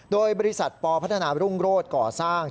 โดยบริษัทปพัฒนารุ่งโรศก่อสร้าง